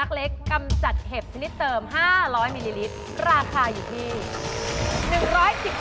อ้าวแล้ว๓อย่างนี้แบบไหนราคาถูกที่สุด